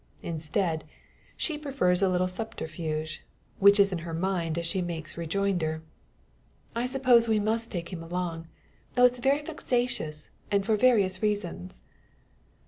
Instead, she prefers a little subterfuge, which is in her mind as she makes rejoinder "I suppose we must take him along; though it's very vexatious, and for various reasons."